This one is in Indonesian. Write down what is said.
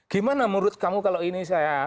gimana menurut kamu kalau ini saya